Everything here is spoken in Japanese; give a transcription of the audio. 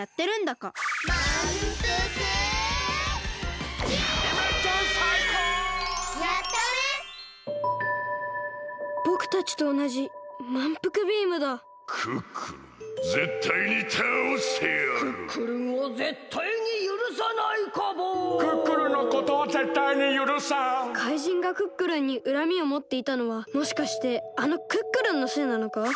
こころのこえ怪人がクックルンにうらみをもっていたのはもしかしてあのクックルンのせいなのか？